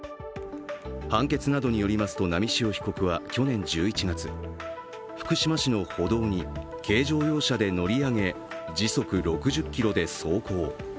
判決などによりますと波汐被告は去年１１月、福島市の歩道に軽乗用車で乗り上げ、時速６０キロで走行。